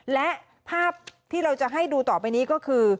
และภาพที่เราจะให้ดูต่อไปนี้ก็คือ